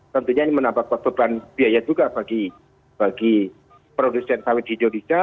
tentunya ini menambah beban biaya juga bagi produsen sawit di indonesia